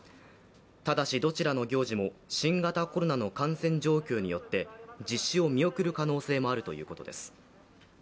ただし、どちらの行事も新型コロナの感染状況によって実施を見送る可能性もあるということです。